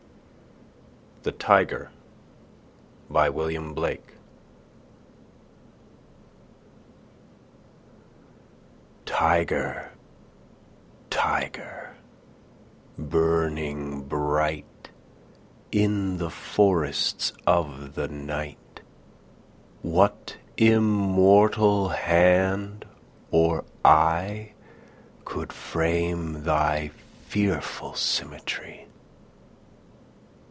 THE TYGER Tyger, tyger, burning bright In the forests of the night, What immortal hand or eye Could frame thy fearful symmetry?